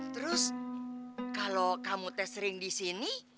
terus kalau kamu teh sering di sini